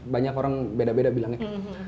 banyak orang beda beda bilangnya